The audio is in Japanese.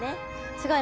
すごい。